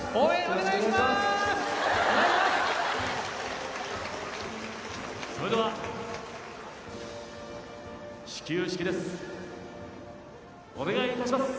お願い致します！